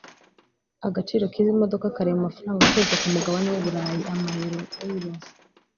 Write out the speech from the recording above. Agaciro k’izi modoka kari mu mafaranga akoreshwa ku mugabane w’Uburayi (Amayero/Euros)